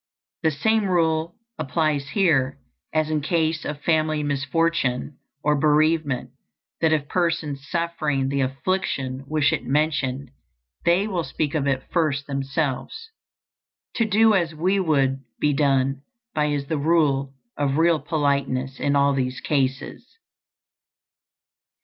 The same rule applies here as in case of family misfortune or bereavement, that if persons suffering the affliction wish it mentioned, they will speak of it first themselves. To do as we would be done by is the rule of real politeness in all these cases.